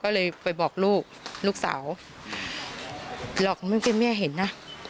ก็เลยไปบอกลูกลูกสาวหลอกมึงเป็นแม่เห็นนะ